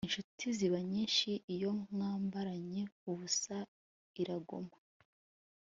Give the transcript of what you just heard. insuti ziba nyinshi, iyo mwambaranye ubusa iraguma